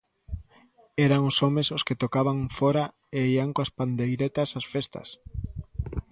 Eran os homes os que tocaban fóra e ían coas pandeiretas ás festas.